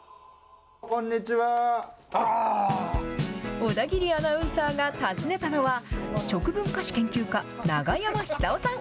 小田切アナウンサーが訪ねたのは、食文化史研究家、永山久夫さん。